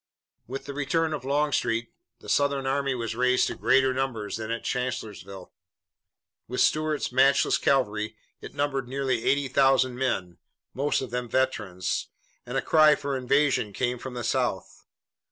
With the return of Longstreet, the Southern army was raised to greater numbers than at Chancellorsville. With Stuart's matchless cavalry it numbered nearly eighty thousand men, most of them veterans, and a cry for invasion came from the South.